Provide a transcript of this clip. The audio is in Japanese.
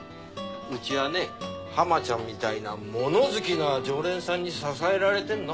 うちはねハマちゃんみたいな物好きな常連さんに支えられてんの。